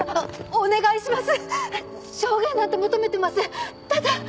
お願いします